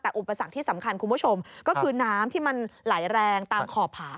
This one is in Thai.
แต่อุปสรรคที่สำคัญคุณผู้ชมก็คือน้ำที่มันไหลแรงตามขอบผา